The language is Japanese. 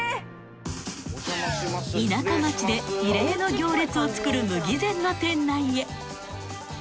［田舎町で異例の行列を作るむぎぜんの店内へ］